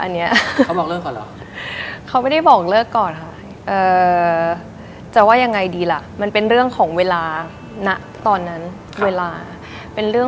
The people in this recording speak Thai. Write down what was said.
เลิกกันเพราะอะไรอะเสียดายคุณดูเข้ากันมากนะ